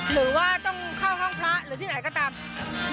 หรือว่าต้องเข้าห้องพระหรือที่ไหนก็ตาม